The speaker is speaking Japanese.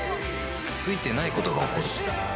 ついてないことが起こる